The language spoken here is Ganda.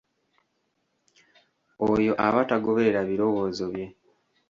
Oyo aba tagoberera birowoozo bye.